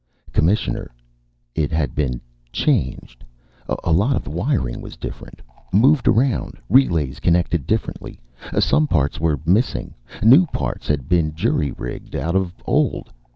"Commissioner, it had been changed. A lot of the wiring was different. Moved around. Relays connected differently. Some parts were missing. New parts had been jury rigged out of old.